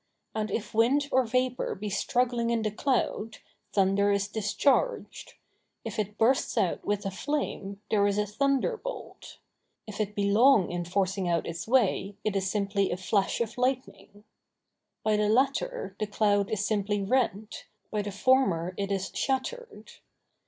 And if wind or vapor be struggling in the cloud, thunder is discharged; if it bursts out with a flame, there is a thunderbolt; if it be long in forcing out its way, it is simply a flash of lightning. By the latter the cloud is simply rent, by the former it is shattered.